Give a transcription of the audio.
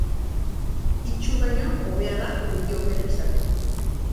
Itsu baino hobea da begioker izatea